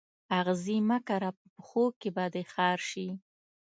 آغزي مه کره په پښو کي به دي خار سي